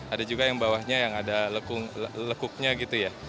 ada juga yang bawahnya yang ada lekuknya gitu ya